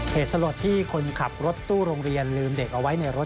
เหตุสลดที่คนขับรถตู้โรงเรียนลืมเด็กเอาไว้ในรถ